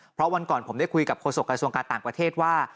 เพราะวันก่อนผมได้คุยกับโฆษกระทรวงการต่างประเทศว่า